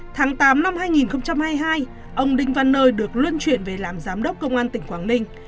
tháng tám năm hai nghìn hai mươi hai ông đinh văn nơi được luân chuyển về làm giám đốc công an tỉnh quảng ninh